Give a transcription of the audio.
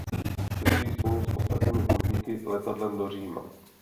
Cestují spolu s ostatními poutníky letadlem do Říma.